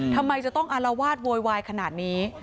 ทำไมจะต้องอารวาสโวยวายขนาดนี้